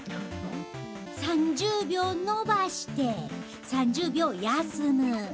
３０秒のばして、３０秒休む。